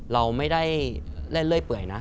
เราไม่ได้เล่นเรื่อยเปื่อยนะ